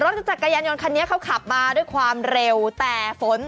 ถ้าหากว่าเราไม่ระม็ดระวัง